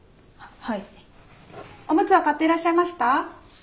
おむつは買っていらっしゃいました？